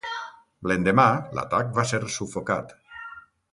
L'endemà, l'atac va ser sufocat.